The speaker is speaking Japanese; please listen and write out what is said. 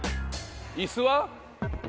椅子は？